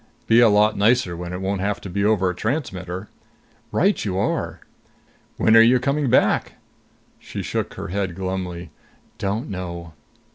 "Be a lot nicer when it won't have to be over a transmitter." "Right you are!" "When are you coming back?" She shook her head glumly. "Don't know."